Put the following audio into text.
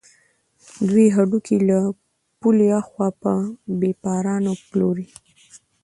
دوی هډوکي له پولې اخوا په بېپارانو پلوري.